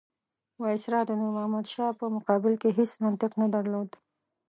وایسرا د نور محمد شاه په مقابل کې هېڅ منطق نه درلود.